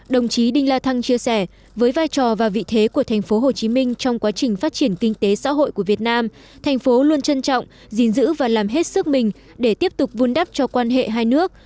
đồng chí đinh la thăng chia sẻ với vai trò và vị thế của thành phố hồ chí minh trong quá trình phát triển kinh tế xã hội của việt nam thành phố luôn trân trọng dính dữ và làm hết sức mình để tiếp tục vun đắp cho quan hệ hai nước